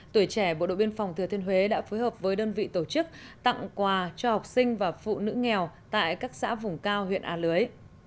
tuổi trẻ bộ đội biên phòng thừa thiên huế đã phối hợp với đơn vị tổ chức tặng quà cho học sinh và phụ nữ nghèo tại các xã vùng cao huyện a lưới